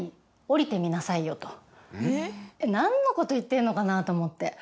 何のこと言ってんのかなと思って。